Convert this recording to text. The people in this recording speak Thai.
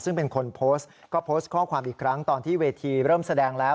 ซึ่งเป็นคนโพสต์ก็โพสต์ข้อความอีกครั้งตอนที่เวทีเริ่มแสดงแล้ว